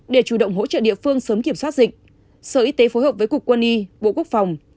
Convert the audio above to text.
để chủ động hỗ trợ địa phương sớm kiểm soát dịch sở y tế phối hợp với cục quân y bộ quốc phòng